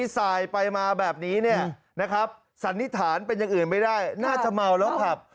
สายไปมาแบบนี้เนี่ยนะครับสันนิษฐานเป็นอย่างอื่นไม่ได้น่าจะเมาแล้วขับ